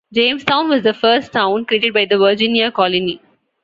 Jamestown was the first town created by the Virginia colony.